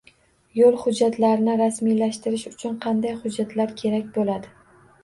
Yo‘l hujjatlarini rasmiylashtirish uchun qanday hujjatlar kerak bo‘ladi?